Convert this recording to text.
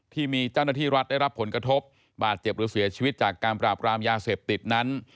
ที่มีเจ้าหน้าที่รัฐได้รับผลกระทบบาดเจ็บหรือเสียชีวิตจากการปราบรามยาเสพติดนั้น